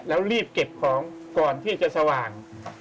แล้วรีบเก็บของก่อนที่จะสว่าง